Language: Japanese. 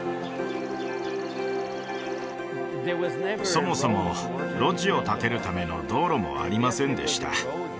そもそもロッジを建てるための道路もありませんでした